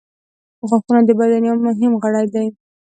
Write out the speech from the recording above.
• غاښونه د بدن یو مهم غړی دی.